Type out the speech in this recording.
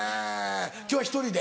今日は１人で？